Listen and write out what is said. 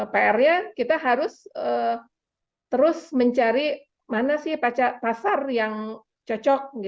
pr nya kita harus terus mencari mana sih pasar yang cocok